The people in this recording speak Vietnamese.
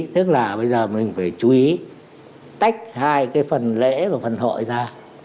tức là bây giờ mình phải chú ý tách hai cái phần lễ và phần hội ra